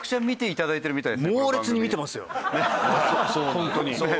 ホントに。